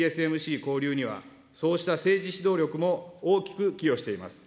興隆には、そうした政治指導力も大きく寄与しています。